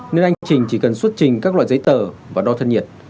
nên anh trình chỉ cần xuất trình các loại giấy tờ và đo thân nhiệt